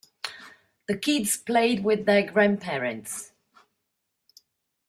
The kids played with their grandparents.